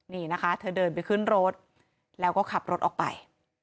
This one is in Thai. นี่นะคะเธอเดินไปขึ้นรถแล้วก็ขับรถออกไป